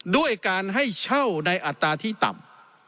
ด้วยการให้เช่าในอัตราที่ต่ำ